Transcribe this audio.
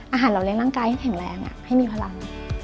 อาหารเราเลี้ยร่างกายให้แข็งแรงให้มีพลัง